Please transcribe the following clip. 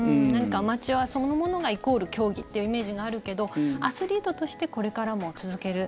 アマチュアそのものがイコール競技っていうイメージがあるけどアスリートとしてこれからも続ける。